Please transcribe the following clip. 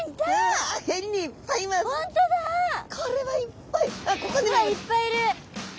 わっいっぱいいる！